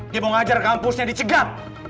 dia mau ngajar kampusnya dicegat